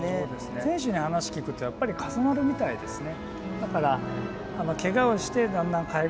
選手に話聞くとやっぱり重なるみたいですね。